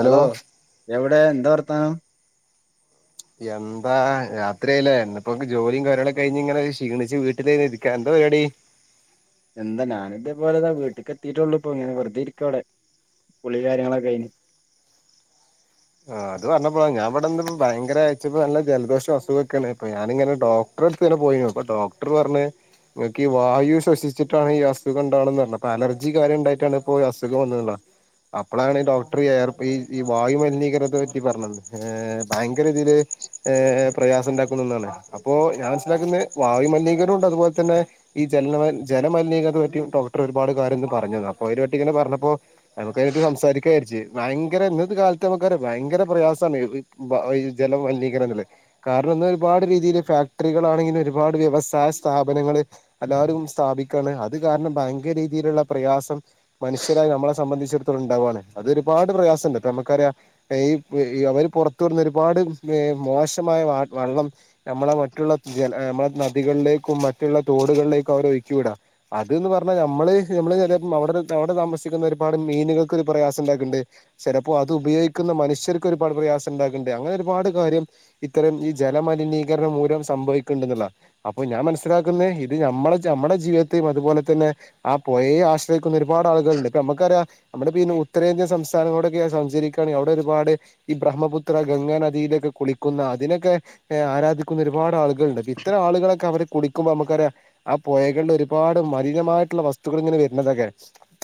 Hello എവിടെ ഇവിടെ എന്താ വർത്താനം എന്താ യാത്രല്ല എന്നിപ്പോ ജോലിയും കൊരള കഴിഞ്ഞ് ഇങ്ങനെ ക്ഷീണിച്ച് വീട്ടില ഇരിക്കാ എന്താ പരിാടി എന്താ ഞാന ഇതേപോലെതാ വീട്ടക്ക്െത്തിയിട്ടുള്ളൂ ഇപ്പോ ഇങ്ങനെ വെറുതെ ഇരിക്കുവ അവിടെ പുളി കാര്യങ്ങളൊക്കെ അയിന് ആ അത് പറഞ്ഞപ്പോ ഞൻ ഇവിടെ ഭയങ്കരയച്ചപ്പോ നല്ല ജലദോഷം അസുഖംൊക്കെയാണ് ഇപ്പ ഞാനിങ്ങനെ ഡോക്ടറെടുത്ത് തന്നെ പോയിു അപ്പൊ ഡോക്ടർ പറഞ്ഞഞ് നിങ്ങക്ക് ഈ വായു ശ്വിച്ചിട്ടാണ് ഈ അസുഖം ഉണ്ടാവണന്ന് പറഞ്ഞപ്പൊ അലർജി കാര്യം ഉണ്ടായിട്ടാണ് ഇപ്പോൊഈ അസുഖംന്നുള്ളത് അപ്പോഴാണ് ഈ ഡോക്ടർ ഈഈ വായ മലിന ത്തെ പറ്റി പറഞ്ഞ ഭയങ്കര ഇതിൽ പ്രയാസം ഉണ്ടാക്കുന്നന്നാണ് അപ്പോൊ ഞാൻ മനസ്സിലാക്കുന്ന വായു മലിനീകരവുംുണ്ട് അതുപോലെ തന്നെ ഈ ജല ജലമലിനീകരത്തെ പറ്റി ഡോക്ടർ ഒരുപാട് കാര്യംന്ന് പറഞ്ഞു അപ്പോൊ അതിന പറ്റി ഇങ്ങനെ പറഞ്ഞപ്പോ നമുക്ക്തിനട്ട് സംസാരിക്കാായിരിച്ചു ഭയങ്കര ഇന്നത്തെ കാലത്ത് നമുക്ക് ഭയങ്കര ഭയങ്കര പ്രയാസമാണ് ജലമലിനീകരണത്തിത്തില് കാരണം ഒന്ന് ഒരുപാട് രീതിയില് ഫാക്ടറികളാണെങ്കിലും ഒരുപാട് വ്യവസായ സ്ഥാപനങ്ങള്ൾ എല്ലാവരും സ്ഥാപിക്കയാണ് അത് കാരണം ഭയങ്കര രീതിയിലുള്ള പ്രയാസം മനുഷ്യരായി നമ്മളെ സംബന്ധിച്ചിടത്തോളം ഉണ്ടാവുവാണ് അത് ഒരുപാട് പ്രയാസംുണ്ട് ഇപ്പൊ നമുക്കറിയാം ഈ അവര് പുറത്തു വർന്ന് ഒരുപാട് മോശമായ വ വള്ളം നമ്മളെ മറ്റുള്ള ജല നമ്മളെ നദികളിലേക്കും മറ്റുള്ള തോടുകളിലേക്കും അവരെ ഒഴക്കി വിടാം അത്ന്ന് പറഞ്ഞാ നമ്മള് നമ്മള് അവിടെ അവിടെ താമസിക്കുന്ന ഒരുപാട് മീനുകൾക്ക് ഒരു പ്രയാസം ഉണ്ടാക്കുന്നുണ്ട് ചിലപ്പോൾ അത് ഉപയോഗ ുന്ന മനുഷ്യർക്ക് ഒരുപാട് പ്രയാസം ഉണ്ടാക്കണ്ട് അങ്ങനെ ഒരുപാട് കാര്യ ഇത്തരം ഈ ജലമലിനീകരണം മൂലം സംഭവിക്കണ്ട എന്നുള്ള അപ്പൊ ഞാൻ മനസ്സിലാക്കുന്ന ഇത് നമ്മ നമ്മുടെ ജീവിതെയും അതുപോലെ തന്നെ ആ പുയെ ആശ്രയിക്കുന്ന ഒരുപാട് ആളുകളുണ്ട് ഇപ്പൊ നമുക്കറിയാം നമ്മുടെ പിന്നെ ഉത്തരേന്ത്യ സംസ്ഥാനങ്ങളോടൊക്കെയ സഞ്ചരിക്കുന്നത് അവിടെ ഒരുപാട് ഈ ബ്രഹ്മപുത്ര ഗംഗാനദിയിലൊക്കെ കുളിക്കുന്ന അതിനൊക്കെ് ആരാധിക്കുന്ന ഒരുപാട് ആളുകൾുണ്ട് അൊ ഇത്തം ആളുകളൊക്കെ അവര് കുളിക്കുമ്പോ നമുക്കറിയ ആ പുഴകളുടെ ഒരുപാട് മലിനമായിട്ടുള്ള വസ്തുക്കൾ ഇങ്ങനെ വരുന്നതൊക്കെ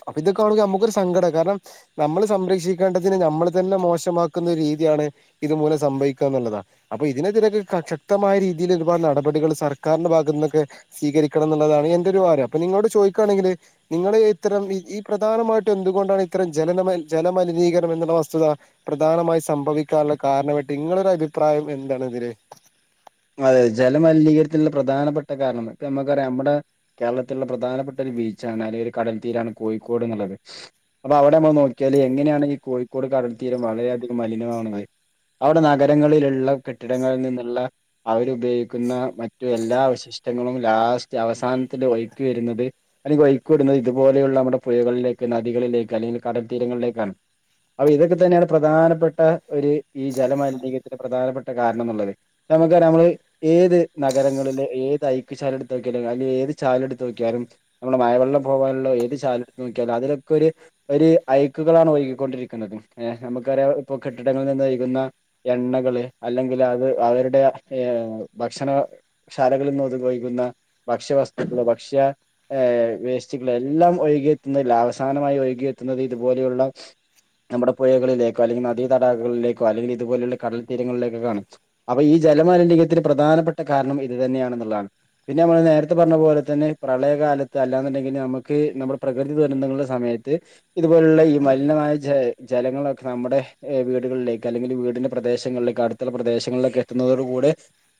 അപ്പൊ ഇതൊക്കെ ആണങ്കിൽ നമുക്കൊരു സങ്കടം കാരണം നമ്മള് സംരക്ഷിക്കേണ്ടതിന് നമ്മൾ തന്നെ മോശമാക്കുന്ന രീതിയാണ് ഇത് മൂലം സംഭവിക്കുക എന്നുള്ളതാണ് അപ്പൊ ഇതിനെതിരൊക്കെ ശക്തമായ രീതിയിൽ ഒരുപാട് നടപടികൾ സർക്കാരിന്റെ ഭാഗു നിന്നൊക്കെ സ്വീകരിക്കണം എന്നുള്ളതാണ് എന്റെ ഒരു വാര്ം അപ്പൊ നിങ്ങളോട് ചോദിക്കുകയാണെങ്കിൽ നിങ്ങള്ൾ ഇത്തരം ഈ പ്രധാനമായിട്ടും എന്തുകൊണ്ടാണ് ഇത്തരം ജലമ ജലമലിനീകരണം എന്നുള്ള വസ്തുത പ്രധാനമായി സംഭവിക്കാനുള്ള കാരണമായിട്ട് നിങ്ങളൊരു അഭിപ്രായം എന്താണ് ഇതിെ അതെെ ജലമലിനീകരത്തിുള്ള പ്രധാനപ്പെട്ട കാരണം ഇ നമുക്കറിയാം നമ്മുടെ കേരളത്തിലുള്ള പ്രധാനപ്പെട്ട ഒരു ബീച്ചാണ് അല്ലെങ്ക ഒരു കടൽത്തീരാണ് കോഴിക്കോട് എന്നുള്ളത് അപ്പൊ അവിടെ നമ്മൾ നോക്കിയാല് എങ്ങനെയാണ് ഈ കോഴിക്കോട് കടൽത്തീരം വളരെയധികം മലിനമാണുന്നത് അവിടെ നഗരങ്ങളിലുള്ള കെട്ടിടങ്ങളിൽ നിന്നുള്ള അവരുപയോഗിക്കുന്ന മറ്റു എല്ലാ അവശിഷ്ടങ്ങളും ലാസ്റ്റ് അവസാനത്തിൽ വഴക്ക് വരുന്നത് അല്ലെങ്കിൽ വഴക്ക് വിടുന്നത് ഇതുപോലെയുള്ള നമ്മുടെ പുഴകളിലേക്ക് നദികളിലേക്ക് അല്ലെങ്കിൽ കടൽ തീരങ്ങളിലേക്കാണ് അപ്പൊ ഇതൊക്കെ തന്നെയാണ് പ്രധാനപ്പെട്ട ഒരു ഈ ജല മലിനീയത്തിന്റെ പ്രധാനപ്പെട്ട കാരണം എന്നുള്ളത് നമുക്ക് ക്ക നമ്മള് ഏത് നഗരങ്ങളില് ഏത് ഐക്കശാല എടുത്ത് നോക്കിയാലും അല്ലെങ്കിൽ ഏത് ചാല എടുത്ത് നോക്കിയാലും നമ്മുടെ മഴവെള്ളം പോകാനുള്ള ഏത് ചാല എടുത്ത് നോക്കിയാലും അതിലൊക്കെ ഒരു ഐക്കുകളാണ് ഒഴുകിക്കൊണ്ടിരിക്കുന്നത് നമുക്കറിയാം ഇപ്പൊ കെട്ടിടങ്ങളിൽ നിന്ന് ഒഴുകുന്ന എണ്ണകള് അല്ലെങ്കിൽ അത് അവരുടെ ഭക്ഷണ ശാലകളിൽ നിന്ന ഉപയോഗിക്കുന്ന ഭക്ഷ്യവസ്തുക്കൾ ഭക്ഷ്യ ഏ വേസ്റ്റുകൾ എല്ലാം ഒഴുകിയെത്തുന്നതിൽ അവസാനമായി ഒഴുകിയെത്തുന്നത് ഇതുപോലെയുള്ള നമ്മുടെ പുഴകളിലേക്കോ അല്ലെങ്കിൽ നദീതടാകങ്ങളിലേക്കോ അല്ലെങ്കിൽ ഇതുപോലെയുള്ള കടൽ തീരങ്ങളിലേക്ക കാണും അപ്പൊ ഈ ജല മലിനീയത്തിന് പ്രധാനപ്പെട്ട കാരണം ഇത് തന്നെയണെന്നുള്ളതാണ് പിന്നെ നമ്മൾ നേരത്തെ പറഞ്ഞ പോലെ തന്നെ പ്രളയകാലത്ത് അല്ലാന്നുണ്ടെങ്കിൽ നമുക്ക് നമ്മുടെ പ്രകൃതി ദുരന്തങ്ങളുടെ സമയത്ത് ഇതുപോലുള്ള ഈ മലിനമായ ജ ജലങ്ങളൊക്കെ നമ്മുടെ വീടുകളിലേക്ക് അല്ലെങ്കിൽ വീടിന്റെ പ്രദേശങ്ങളിലേക്ക് അടുത്തുള്ള പ്രദേശങ്ങളിലൊക്കെ ത്തുന്നതോടു കൂടെ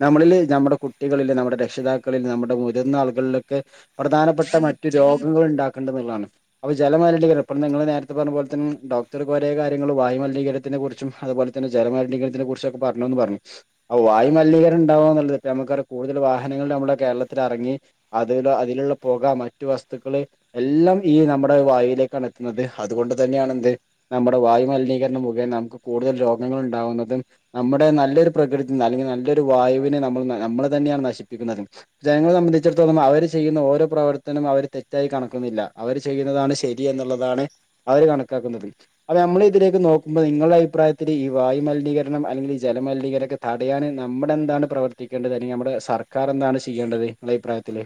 നമ്മളില് നമ്മുടെ കുട്ടികളില് നമ്മുടെ രക്ഷിതാക്കളിൽ നമ്മുടെ മുതിർന്ന ആളുകളിലൊക്കെ പ്രധാനപ്പെട്ട മറ്റു രോഗങ്ങൾ ഉണ്ടാക്കേണ്ട എന്നുള്ളതാണ് അപ്പൊ ജലമലിനീകരണം ഇ നിങ്ങൾ നേരത്തെ പറഞ്ഞ പോലെ തന്നെ ഡോക്ടർക്ക് ഒരേ കാര്യങ്ങൾ വായുുമലിനീകരണത്തിെ കുറിച്ചും അതുപോലെ തന്നെ ജല മലിനീകരണത്തിനെ കുറിച്ചൊക്കെ പറഞ്ഞന്ന് പറഞ്ഞു അപ്പ വായുമലിനീകരണം ഉണ്ടാാവുക എന്നുള്ളത് നമുക്ക കൂടുതൽ വാഹനങ്ങൾ നമ്മുടെ കേരളത്തിൽ ഇറങ്ങി അതില അതിലുള്ള പുക മറ്റു വസ്തുക്കള് എല്ലാം ഈ നമ്മുടെ വായുവിലേക്കാണ് എത്തുന്നത് അതുകൊണ്ട് തന്നെയാണ എന്ത് നമ്മുടെ വായുമലിനീകരണം മുുകേന നമുക്ക് കൂടുതൽ രോഗങ്ങൾ ഉണ്ടാാവുന്നതും നമ്മുടെ നല്ലൊരു പ്രകൃതി നിന്ന് അല്ലെങ്കിൽ നല്ലൊരു വായുനെ നമ്മൾ നമ്മളെ തന്നെയാണ് നശിപ്പിക്കുന്നത് ജനങ്ങളെ സംബന്ധിച്ചിടത്തോളം അവർ ചെയ്യുന്ന ഓരോ പ്രവർത്തനവും അവർ തെറ്റായി കണക്കുന്നില്ല അവർ ചെയ്യുന്നതാണ് ശരി എന്നുള്ളതാണ് അവർ കണക്കാക്കുന്നത്ും അപ്പം നമ്മൾ ഇതിലേക്ക് നോക്കുമ്പോൾ നിങ്ങളുടെ അഭിപ്രായത്തിൽ ഈ വായുുമലിനീകരണം അല്ലെങ്കിൽ ഈ ജലമലിനീകരണം തടയൻ നമ്മുടെ എന്താണ് പ്രവർത്തിക്കേണ്ടത് അല്ലെങ്കിൽ നമ്മുടെ സർക്കാർ എന്താണ് ചെയ്യേണ്ടത് നിങ്ങളുടെ അഭിപ്രായത്തില്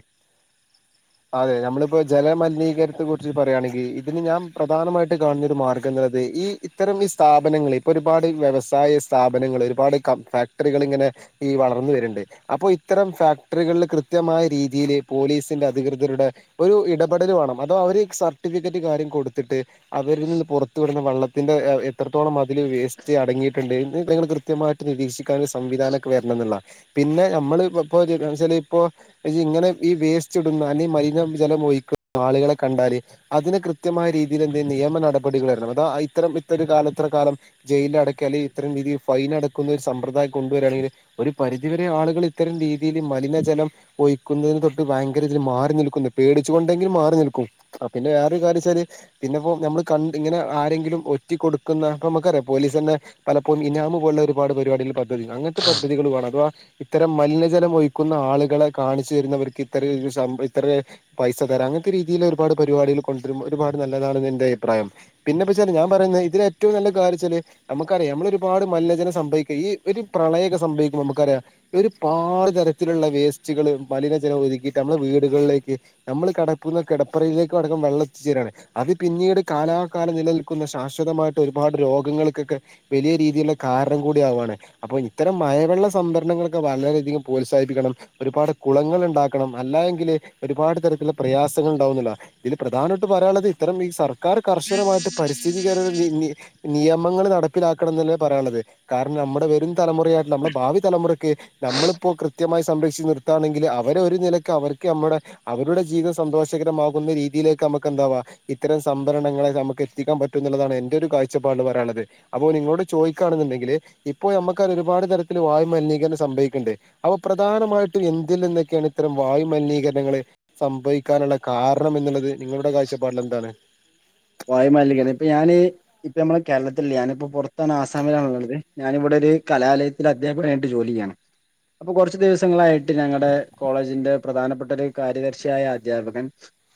അതെ നമ്മളിപ്പോ ജലമലിനീകര ക റിച്ചു പറയുകയാണെങ്കിൽ ഇതിന് ഞാൻ പ്രധാനമായിട്ട് കാണുന്നൊരു മാർഗം എന്നുള്ളത് ഈ ഇത്തരം ഈ സ്ഥാപനങ്ങളിൽ ഇപ്പോ ഒരുപാട് വ്യവസായ സ്ഥാപനങ്ങൾ ഒരുപാട് ക ഫാക്ടറികൾ ഇങ്ങനെ ഈ വളർന്ന വരുന്നുണ്ട് അപ്പോൊ ഇത്തരം ഫാക്ടറികളിൽ കൃത്യമായി രീതിൽ പോലീസിന്റെ അധികൃതരുടെ ഒരു ഇടപെടൽ വേണം അത അവര് സർട്ടിഫിക്കറ്റ് കാര്യം കൊടുത്തിട്ട് അവരി നിന്ന് പുറത്തു വിടുന്ന വെള്ളത്തിന്റെറെ എത്രത്തോളം മാ അതില് വേസ്റ്റ് അടങ്ങിയിട്ട് ണ്ട് നിങ്ങള് കൃത്യമായിട്ട് നിരീക്ഷി ക്കാന്ള്ള സംവിധാനൊക്കെ വരണം എന്നുള്ള പിന്നെ നമ്മള് ഇപ ഇപ്പൊച്ചാല് ഇപ്പൊ ഇങ്ങനെ ഈ വേസ്റ്റ് ഇടുന്ന അല്ലെങ്കിൽ മലിനജലം ഒയിക്കുന്ന ആളുകളെ കണ്ടാല് അതിന് കൃത്യമായ രീതിയിൽ എന്തേലും നിയമ നടപടികൾ വരണം അതാ ഇത്തരം ഇത്തരു കാലം ഇത്ര കാലം ജയിലിൽ അടക്കുക അല്ലെങ്കി ഇത്തരം രീതിൽ ഫൈൻ അടക്കുന്ന ഒരു സമ്പ്രദായം കൊണ്ടുവരിയാണെങ്കിൽ ഒരു പരിധിവരെ ആളുകൾ ഇത്തരം രീതിയില് മലിനജലം ഒയിക്കുന്നതിന് തൊട്ട് ഭയങ്കര ഇതിൽ മാറി നിൽക്കുന്ന പേടിച്ചു കൊണ്ടെങ്കി മാറി നിൽക്കും പിന്നെ വേറൊരു കാര്യം വെച്ചാല് പിന്നെപ്പോ നമ്മള് കണ്ട് ഇങ്ങനെ ആരെങ്കിലും ഒറ്റിക്കൊടുക്കുന്ന അപ്പ നമുക്കറിയാം പോലീസ് തന്നെ പലപ്പോ ഇനാമ് പോലുള്ള ഒരുപാട് പരിപാടികള് പറ്റ പ അങ്ങനത്തെ പദ്ധതികള് [unintelligible] ഇത്തരം മലിനജലം ഒയിക്കുന്ന ആളുകളെ കാണിച്ചു തരുന്നവർക്ക് ഇത്രരു പൈസ തരാം അങ്ങനത്തെ രീതിയില് ഒരുപാട് പരിപാടികൾ കൊണ്ടുവരുമ്പോ ഒരുപാട് നല്ലതാണെന്റെ അഭിപ്രായം പിന്നെപ്പോ വെച്ചാല് ഞാൻ പറയുന്നത് ഇതിന് ഏറ്റവും നല്ല കാര്യം വച്ചാല് നമുക്കറിയാം നമ്മളൊരുപാട് മലിനജനം സംഭവിക്കും ഈ ഒരു പ്രളയക്കെ സംഭവിക്കുമ്പോ നമുക്കറിയാം ഒരുപാട് തരത്തിലുള്ള വേസ് കള് മലിനജലം ഒയിക്കിട്ട് നമ്മളെ വീടുകളിലേക്ക് നമ്മള് കിടക്കുന്ന കിടപ്പറയിലേക്ക് അടക്കം വെള്ളം എത്തിച്ചേരുകയാണ് അത് പിന്നീട് കാലാകാലം നിലനിൽക്കുന്ന ശാശ്വതമാട്ട് ഒരുപാട് രോഗങ്ങൾക്കൊക്കെ വലിയ രീതിയില് കാര ണം കൂടി ആവാണ് അപ്പൊ ഇത്തരം മഴവെള്ള സംഭരണങ്ങളൊക്കെ വളരെയധികം പ്രോത്സാഹിപ്പിക്കണം ഒരുപാട് കുളങ്ങൾ ഉണ്ടാക്കണം അല്ല എങ്കില് ഒരുപാട് തരത്തില- പ്രയാസങ്ങൾ ഉണ്ടാവുന്നില്ല ഇതില് പ്രധാന- പറയാനുള്ളത് ഇത്തരം സർക്കാർ കർശനമായിട്ട് പരിസ്ഥിതികര [unintelligible] നിയമങ്ങൾ നടപ്പിലാക്കണം എന്നേ പറയാനുള്ളത് കാരണം നമ്മുടെ വരും തലമുറയായിട്ട നമ്മുടെ ഭാവി തലമുറയ്ക്ക് നമ്മളിപ്പോ കൃത്യമായി സംര- നിർത്തയാണെങ്കിൽ അവരെ ഒരു നിലക്ക് അവർക്ക് നമ്മടെ അവരുടെ ജീവിതം സന്തോഷകരമാകുന്ന രീതിയിലേക്ക് നമുക്ക് എന്താവാ ഇത്തരം സംഭരണങ്ങളെ നമുക്ക് എത്തിക്കാൻ പറ്റും എന്നുള്ളതാണ് എന്റെ ഒരു കാഴ്ചപ്പാട് പറയാനുള്ളത് അപ്പോ നിങ്ങളോട് ചോദിക്കുകയാണെന്നുണ്ടെങ്കില് ഇപ്പോ നമ്മുക്ക ഒരുപാട് തരത്തിൽ വായുമലിനീകരണം സംഭവിക്കണ്ട് അപ്പൊ പ്രധാനമായിട്ട ട്ടും എന്തിൽ നിന്നൊക്കെയാണ് ഇത്തരം വായുമലിനീകരണങ്ങൾ സംഭവിക്കാനുള്ള കാരണം എന്നുള്ളത്. നിങ്ങളുടെ കാഴ്ചപ്പാടിൽ എന്താണ് വായുമലിനീകരണം. ഇപ്പൊ ഞാനെ ഇപ്പ നമ്മള കേരളത്തിലില്ലിയ ഞാനിപ്പോ പുറത്താണ് ആസാമിലാണണുള്ളത് ഞാനിവിടെ ഒരു കലാലയത്തിൽ അദ്ധ്യാപകനായിട്ട് ജോലി ചെയാണ് അപ്പൊ കുറച്ചു ദിവസങ്ങളായിട്ട് ഞങ്ങളുടെ കോളേജിന്റെ പ്രധാനപ്പെട്ട ഒരു കാര്യദർശിയായ അദ്ധ്യാപകൻ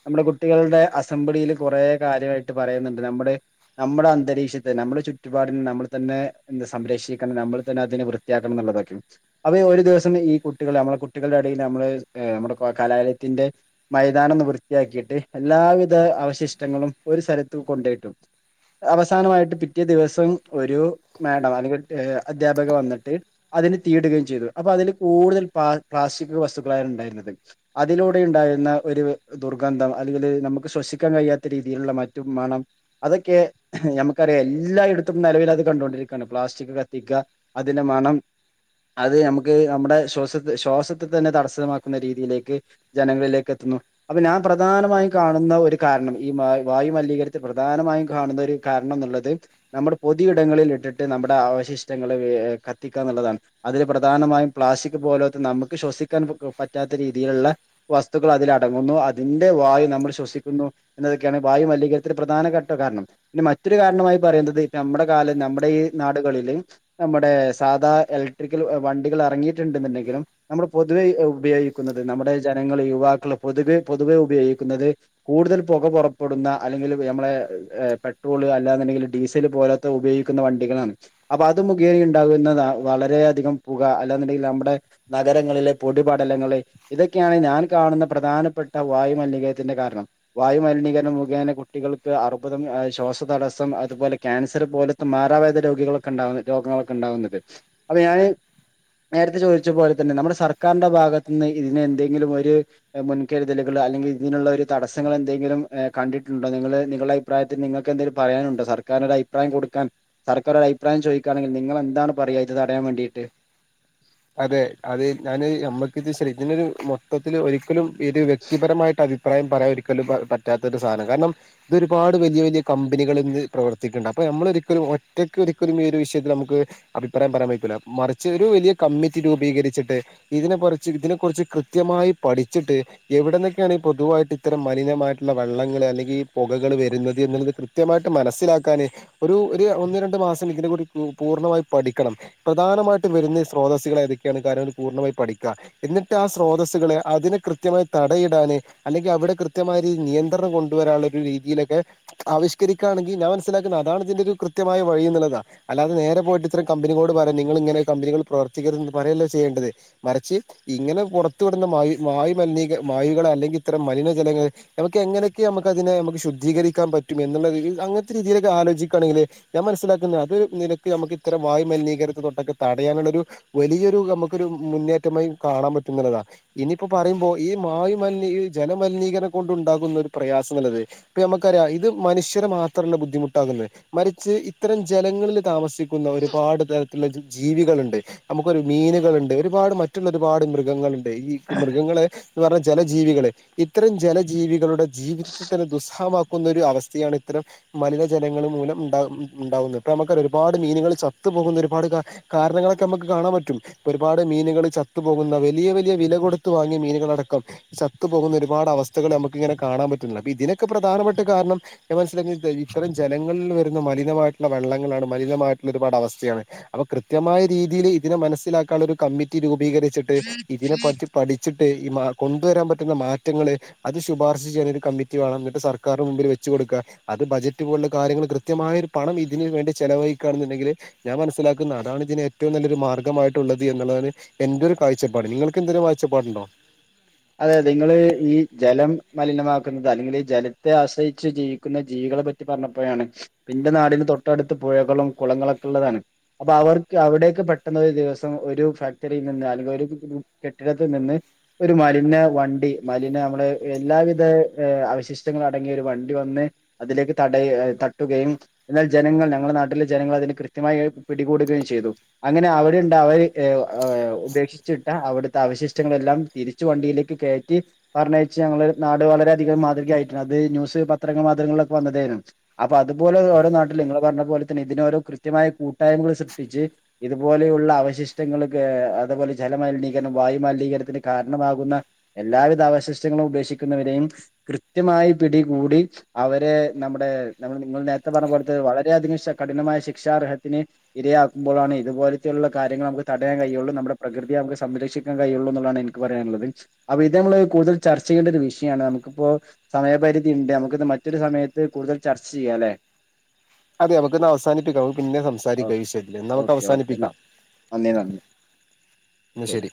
നമ്മുടെ കുട്ടികളുടെ അസംബ്ലിയിലെ കുറേ കാര്യമായിട്ട് പറയുന്നുണ്ട് നമ്മുടെ നമ്മുടെ അന്തരീക്ഷത്തെ നമ്മുടെ ചുറ്റുപാടിനെ നമ്മൾ തന്നെ സംരക്ഷിക്കണം നമ്മൾ തന്നെ അതിനെ വൃത്തിയാക്കണം എന്നുള്ളതൊക്കെയ അപ്പൊ ഒരു ദിവസം ഈ കുട്ടികൾ നമ്മളെ കുട്ടികളുടെ ഇടയിൽ നമ്മള് നമ്മുടെ കലാലയത്തിന്റെ മൈതാനം ഒന്ന് വൃത്തിയാക്കിയിട്ട് എല്ലാവിധ അവശിഷ്ടങ്ങളും ഒരു സ്ഥലത്ത് കൊണ്ടേട്ടും അവസാനമായിട്ട് പിറ്റേ ദിവസം ഒരു മാഡം അല്ലെങ്കിൽ അധ്യാപക വന്നിട്ട് അതിന് തീയിടുകയും ചെയ്തു അപ്പൊ അതിൽ കൂടുതൽ പ പ്ലാസ്റ്റിക് വസ്തുക്കളാണ് ഉണ്ടായിരുന്നത് അതിലൂടെ ഉണ്ടായിരുന്ന ഒരു ദുർഗന്ധം അല്ലെങ്കിൽ നമുക്ക് ശ്വസിക്കാൻ കഴിയാത്ത രീതി- രീതിയിലുള്ള മറ്റു മണം അതൊക്കെ നമുക്കറിയാം എല്ലായിടത്തും നിലവിലെ ൽ അത് കണ്ടൊണ്ടിരിക്കയാണ് പ്ലാസ്റ്റിക് കത്തിക്ക അതിന്റെ മണം അത് നമുക്ക് നമ്മുടെ ശ്വാസ ശ്വാസത്തെ തന്നെ തടസമാക്കുന്ന രീതിയിലേക്ക് ജനങ്ങളിലേക്ക് എത്തുന്നു അപ്പൊ ഞാൻ പ്രധാനമായും കാണുന്ന ഒരു കാരണം ഈ വായുമലിനീകരത്തി പ്രധാനമായും കാണുന്ന ഒരു കാരണം എന്നുള്ളത് നമ്മുടെ പൊതു ഇടങ്ങളിൽ ഇട്ടിട്ട് നമ്മുടെ അവശിഷ്ടങ്ങൾ കത്തിക്കുക എന്നുള്ളതാണ് അതിൽ പ്രധാനമായും പ്ലാസ്റ്റിക് പോലോ നമുക്ക് ശ്വസിക്കാൻ പറ്റാത്ത രീതിയിലുള്ള വസ്തുക്കൾ അതില അടങ്ങുന്നു അതിന്റെ വായു നമ്മൾ ശ്വസിക്കുന്നു എന്നത് വായു മലീകരന്റെ പ്രധാനഘട്ട കാരണം മറ്റൊരു കാരണമായി പറയുന്നത് ഇപ്പ നമ്മുടെ കാലം നമ്മുടെ ഈ നാടുകളിൽ നമ്മുടെ സാധാ ഇലക്ട്രിക്കൽ വണ്ടികൾ ഇറങ്ങിയിട്ടുണ്ടെന്നുണ്ടെങ്കിലും നമ്മൾ പൊതുവെ ഉപയോഗിക്കുന്നത് നമ്മുടെ ജനങ്ങളെ യുവാക്കളെ പൊതുവെ പൊതുവെ ഉപയോഗിക്കുന്നത് കൂടുതൽ പുകപുറ പടുന്ന അല്ലെങ്കിൽ നമ്മളെ പെട്രോള് അല്ലാന്നുണ്ടെങ്കിൽ ഡീസല് പോലത്തെ ഉപയോഗിക്കുന്ന വണ്ടികളാണ് അപ്പൊ അത് മുഖേന ഉണ്ടാകുന്നത വളര അധികം പുക അല്ലാന്നുണ്ടെങ്കിൽ നമ്മുടെ നഗരങ്ങളെ പൊടിപടലങ്ങളെ ഇതൊക്കെയാണ് ഞാൻ കാണുന്ന പ്രധാനപ്പെട്ട വായു മലിനീകരത്തിന്റെ കാരണം വായു മലിനീകര മുഖേന കുട്ടികൾക്ക് അർബുദം ശ്വാസതടസ്സം അതുപോലെ ക്യാൻസർ പോലത്തെ മാറാവേ രോഗികളൊക്കെ ഉണ്ടുന്ന രോഗങ്ങളൊക്കെ ഉണ്ടകുന്നതെ അപ്പൊ ഞാന് നേരത്തെ ചോദിച്ച പോലെ തന്നെ നമ്മുടെ സർക്കാരിന്റെ ഭാഗതുനിന്ന് ഇതിനെ എന്തെങ്കിലും ഒരു മുൻകരുതലുകൾ അല്ലെങ്കിൽ ഇതിനുള്ള ഒരു തടസങ്ങൾ എന്തെങ്കിലും കണ്ടിട്ടുണ്ടോ നിങ്ങള് നിങ്ങളുടെ അഭിപ്രായത്തിൽ നിങ്ങൾക്ക് എന്തേങ്കും പറയാനുണ്ടോ സർക്കാരി ഒരു അിപ്രായം കൊടുക്കാൻ സർക്കാരു അഭിപ്രായ ചോദിക്കുകയാണെങ്കിൽ നിങ്ങൾ എന്താണ് പറയുക ഇത് അറയാൻ വേണ്ടീട്ട് അതെ അത് ഞാൻ നമ്മക്കിത് ശരിക്കിനൊരു മൊത്തത്തില് ഒരു ലും ഇത് വ്യക്തിപരമായിട്ട് അ അഭിപ്രായം പറയാൻ ഒരിക്കലും പറ്റാത്ത ഒരു സാധനം. കാരണം ഇതൊരുപാട് വലിയ വലിയ കമ്പനികൾ ഇന്ന് പ്രവർത്തിക്കുന്നുണ്ട് അപ്പൊ നമ്മൾ ഒരിക്കലും ഒറ്റയ്ക്ക് ഒരിക്കലും ഈ ഒരു വിഷയത്തിൽ നമുക്ക് അഭിപ്രായം പറയാൻ പറ്റില്ല മറിച്ച് ഒരു വലിയ കമ്മിറ്റി രൂപീകരിച്ചിട്ട് ഇതിനെ കുറിച്ച് ഇതിനെ കുറിച്ച് കൃത്യമായി പഠിച്ചിട്ട് എവിടന്നെക്ക്യാണ് പൊതുവായിട്ട് ഇത്തരം മലിനമായിട്ടുള്ള വെള്ളങ്ങള് അല്ലെങ്കി ഈ പൊകകൾ വര്ന്നത് എന്നുള്ളത് കൃത്യമായിട്ട് മനസ്സിലാക്കാന് ഒരു ഒരു ഒന്ന് രണ്ട് മാസം ഇതിനെക്കുറി പൂർണ്ണമായി പഠിക്കണം പ്രധാനമായിട്ട് വരുന്ന സ് സ്രോതസ്സുകൾ ഏതെക്കെയാണ് കാരണം പൂർണ്ണമായി പഠിക്ക എന്നിട്ട് ആ സ്രോതസ്സുകളെ അതിനെ കൃത്യമായി തടയിടാന് അല്ലെങ്കി അവടെ കൃത്യമായ രീതി നിയന്ത്രണം കൊണ്ടുവരാള്ള ഒരു രീതിയിലൊക്കെ ആവിഷ്കരിക്കാണെങ്കി ഞാൻ മനസ്സിലാക്കുന്നത അതാണ് ഇതിന്റെ ഒരു കൃത്യമായ വഴി എന്ന്ള്ളതാ അല്ലാതെ നേരെ പോയിട്ട് ഇത്തരം കമ്പനികളോട് പറയാ നിങ്ങൾ ഇങ്ങനെ കമ്പനികൾ പ്രവർത്തിക്കരുത് എന്ന് പറയല്ലേ ചെയ്യേണ്ടത് മറിച്ച് ഇങ്ങനെ പൊറത്ത് വിടുന്ന വായു വായു മലിനീകര വായുകളെല്ലെങ്കിൽ ഇത്തരം മലിനജലങ്ങൾ നമുക്ക് എങ്ങനെയൊക്കെ നമുക്ക് അതിനെ നമുക്ക് ശുദ്ധീകരിക്കാൻ പറ്റും എന്ന്ള്ളൊരു അങ്ങൻത്തെ രീതിയിലൊക്കെ ആലോചിക്കാണെങ്കില് ഞാൻ മനസ്സിലാക്കുന്ന അത് നിരക്ക് അമ്മക്ക് ഇത്തരം വായു മലിനീകരത്തെ തൊട്ടൊക്കെ തടയാന്ള്ളൊരു വലിയൊരു നമുക്കൊരു മുന്നേറ്റമായി കാണാൻ പറ്റുന്നതതാ ഇനിപ്പോ പറയുമ്പോ ഈ വായു മലിനീ ജലമലിനീകരണം കൊണ്ട് ഉണ്ടാകുന്ന ഒരു പ്രയാസം ന്ന്ള്ളത് ഇപ്പൊ നമുക്കറിയാം ഇത് മനുഷ്യരെ മാത്രല്ല ബുദ്ധിമുട്ടാകുന്നത് മറിച്ച് ഇത്തരം ജലങ്ങളിൽ താമസിക്ക് ക്കുന്ന ഒരുപാട് തരത്തിലുള്ള ജീ ജീവികളുണ്ട് നമുക്കൊരു മീന്കളുണ്ട് ഒരുപാട് മറ്റുള്ള ഒരുപാട് മൃഗങ്ങളുണ്ട് ണ്ട് ഈ മൃഗങ്ങളെ ളറ ജലജീവികള് ഇത്തരം ജലജീവികളുടെ ജീവിതത്തെ തന്നെ ദുസ്സഹമ ന്ന ഒരു അവസ്ഥയാണ് ഇത്തരം മലിനജലങ്ങൾ മൂലം ണ്ടാ ഉണ്ടാകുന്നത് ഇപ്പ നമുക്ക് ഒരുപാട് മീനുകൾ ചത്തു പോകുന്ന ഒരുപാട് കാരണങ്ങള നമുക്ക് കാണാൻ പറ്റും ഇപ്പൊ ഒരുപാട് മീനുകൾ ചത്തു പോകുന്ന വലിയ വലിയ വില കൊടുത്ത് വാങ്ങിയ മീനുകളടക്കം ചത്തു പോകുന്ന ഒരുപാട് അവസ്ഥകൾ നമുക്ക് ഇങ്ങനെ കാണാൻ പറ്റു ന്നുണ്ട്. അപ്പൊ ഇതിനൊക്കെ പ്രധാനപ്പെട്ട കാരണം ഞാൻ മനസ്സിലാക്കിയത് ഇത്തരം ജനങ്ങളിൽ വരുന്ന മലിനമായിട്ടുള്ള വെള്ളങ്ങളാണ് മലിനമായിട്ടുള്ള ഒരുപാട് അവസ്ഥയാണ് അപ്പൊ കൃത്യമായി രീതിയിൽ ഇതിനെ മനസ്സിലാക്കാനുള്ള ഒരു കമ്മിറ്റി രൂപി പീകരിച്ചിട്ട് ഇതിനെ പറ്റി പഠിച്ചിട്ട് ഈ കൊണ്ടുവരാൻ പറ്റുന്ന മാറ്റങ്ങള് അത് ശുപാർശ ചെയ്യാൻ ഒരു കമ്മിറ്റി വേണം എന്നിട്ട് സർക്കാർന് മുമ്പിൽ വെച്ച് കൊടുക്കുക അത് ബജറ്റ് പോലുള്ള കാര്യങ്ങൾ കൃത്യമായ ഒരു പണം ഇതിന് വേണ്ടി ചെലവഴിക്കുകയാണ് എന്നുണ്ടെങ്കിൽ ഞാൻ മനസ്സിലാക്കുന്ന അതാണ് ഇതിന് ഏറ്റവും നല്ലൊരു മാർഗ്ഗമായിട്ടുള്ളത് എന്നുള്ളതാണ് എന്റെ ഒരു കാഴ്ചപ്പാട് നിങ്ങൾക്ക് എന്തെങ്കിലും കാഴ്ചപ്പാടുണ്ടോ അതെയതെ നിങ്ങള് ഈ ജലം മലിനമാക്കുന്നത് അല്ലെങ്കിൽ ഈ ജലത്തെ ആശ്രയിച്ച് ജീവിക്കുന്ന ജീവികളെ പറ്റി പറഞ്ഞപ്പോഴാണ് ന്റെ നാടിന് തൊട്ടടുത്ത് പുഴകളും കുളങ്ങളൊക്കെ ഉള്ളതാണ് അപ്പൊ അവർക്ക് അവിടെയൊക്കെ പെട്ടെന്ന് ഒരു ദിവസം ഒരു ഫാക്ടറിയിൽ നിന്ന് അല്ലെങ്കിൽ ഒരു കെട്ടിടത്തിൽ നിന്ന് ഒരു ഒരു മലിന വണ്ടി മലിന നമ്മള് എല്ലാവിധ അവശിഷ്ടങ്ങൾ അടങ്ങിയ ഒരു വണ്ടി വന്ന് അതിലേക്ക് തടയ തട്ടുകയും എന്നാൽ ജനങ്ങൾ ഞങ്ങളുടെ നാട്ടിലെ ജനങ്ങൾ അതിന് കൃത്യമായി പിടികൂടുകയും ചെയ്തു അങ്ങനെ അവരുണ്ട് അവര് ഉപേക്ഷിച്ചിട്ടാ അവിടുത്തെ അവശിഷ്ടങ്ങളെല്ലാം തിരിച്ച് വണ്ടിയിലേക്ക് കയറ്റി പറഞ്ഞയച്ച് ഞങ്ങൾ നാട് വളരെയധികം മാതൃകയായിട്ടുണ്ട് അത് ന്യൂസ് പത്രങ്ങൾ മാധൃമങ്ങളൊക്കെ വന്നതേനു അപ്പൊ അതുപോലെ ഓരോ നാട്ടിൽ നിങ്ങള് പറഞ്ഞ പോലെ തന്നെ ഇതിന് ഓരോ കൃത്യമായ കൂട്ടായ്മകൾ സൃഷ്ടിച്ച് ഇതുപോലെയുള്ള അവശിഷ്ടങ്ങൾ അതുപോലെ ജല മലിനീകരണം വായു മലിനീകരണത്തിന് കാരണമാകുന്ന എല്ലാവിധ അവശിഷ്ടങ്ങളും ഉപേക്ഷിക്കുന്നവരെയും കൃത്യമായി പിടികൂടി അവരെ നമ്മുടെ നമ്മ നിങ്ങൾ നേരത്തെ പറഞ്ഞ പോലത്തെ വളരെയധികം കഠിനമായ ശിക്ഷാർഹത്തിന് ഇരയാക്കുമ്പോഴാണ് ഇതുപോലെയുള്ള കാര്യങ്ങൾ നമുക്ക് തടയാൻ കഴിയുള്ളൂ നമ്മുടെ പ്രകൃതിയെ നമുക്ക് സംരക്ഷിക്കാൻ കഴിയുള്ളൂ എന്നുള്ളതാണ് എനിക്ക് പറയാനുള്ളത് അപ്പൊ ഇത് നമ്മള് കൂടുതൽ ചർച്ച ചെയ്യേണ്ട ഒരു വിഷയമാണ് നമുക്കിപ്പോ സമയപരിധി ഉണ്ട് നമുക്കിത് മറ്റൊരു സമയത്ത് കൂടുതൽ ചർച്ച ചെയ്യാല്ലെ അതെ നമുക്കന്ന് അവസാനിപ്പിക്കാം നമുക്ക് പിന്നെ സംസാരിക്കാം ഈവിഷയത്തിന്ന് ഇന്ന് നമുക്ക് ഓക്കെ ഓക്കെ എന്നാ അവസാനിപ്പിക്കാം. നന്ദി നന്ദി ന്ന ശരി